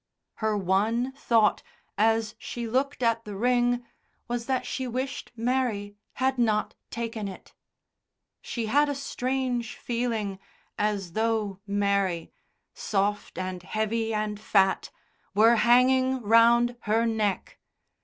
Her one thought as she looked at the ring was that she wished Mary had not taken it. She had a strange feeling as though Mary, soft and heavy and fat, were hanging round her neck.